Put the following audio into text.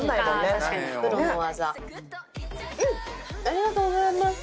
ありがとうございます。